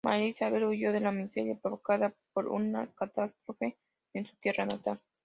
María Isabel huyó de la miseria provocada por una catástrofe en su tierra natal.